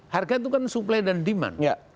harga itu kan supply dan demand